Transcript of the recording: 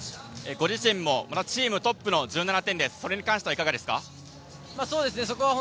ご自身もチームトップの１７点、それに関してはいかがですか？